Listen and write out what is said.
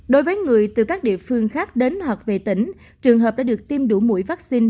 đối với người từ các địa phương khác đến hoặc về tỉnh trường hợp đã được tiêm đủ mũi vaccine